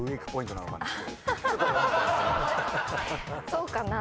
そうかな？